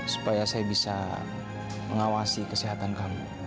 supaya saya bisa mengawasi kesehatan kami